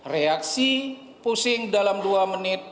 reaksi pusing dalam dua menit